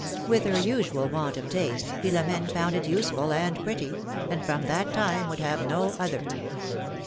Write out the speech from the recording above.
With Iier usual want of taste, Philom^ne found it useful and pretty, and from tliat time would have no other.